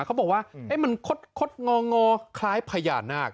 เขาบอกว่ามันคดงองอคล้ายพญานาค